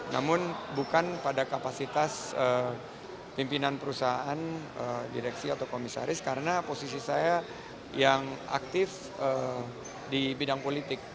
namun bukan pada kapasitas pimpinan perusahaan direksi atau komisaris karena posisi saya yang aktif di bidang politik